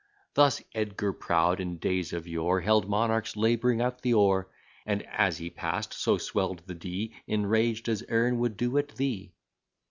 Thus Edgar proud, in days of yore, Held monarchs labouring at the oar; And, as he pass'd, so swell'd the Dee, Enraged, as Ern would do at thee.